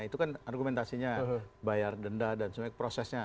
itu kan argumentasinya bayar denda dan semuanya prosesnya